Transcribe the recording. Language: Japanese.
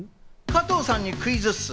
加藤さんにクイズッス。